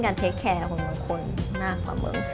การแคร์กันของคนค่อนข้างผม